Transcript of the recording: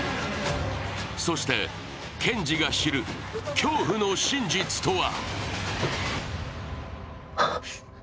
そして賢ニが知る恐怖の真実とは。